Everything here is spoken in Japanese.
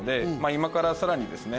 今から更にですね